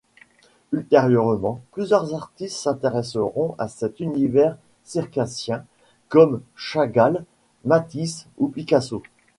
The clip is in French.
Ultérieurement, plusieurs artistes s'intéresseront à cet univers circassien, comme Chagall, Matisse ou Picasso.